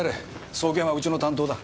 送検はうちの担当だ。